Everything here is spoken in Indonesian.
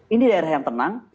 ini daerah yang tenang